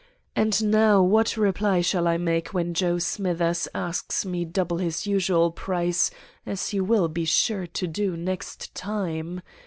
And now what reply shall I make when Joe Smithers asks me double his usual price, as he will be sure to do, next time?